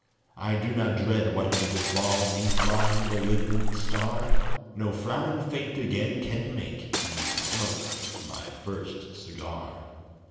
I do not dread what may befall 'Neath my malignant star, No frowning fate again can make Me smoke my first cigar.